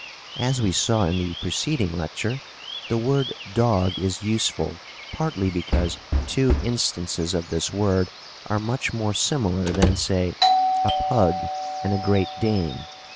As we saw in the preceding lecture, the word "dog" is useful, partly, because two instances of this word are much more similar than (say) a pug and a great dane.